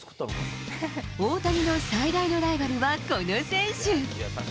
大谷の最大のライバルはこの選手。